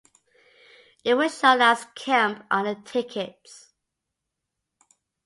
It was shown as Camp on the tickets.